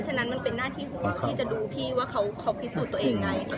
ฉะนั้นมันเป็นหน้าที่ของที่จะดูพี่ว่าเขาพิสูจน์ตัวเองไง